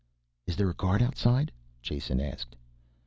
"Is there a guard outside?" Jason asked.